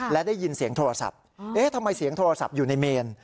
และได้ยินเสียงโทรศัพท์เอ๊ะทำไมเสียงโทรศัพท์อยู่ในเมน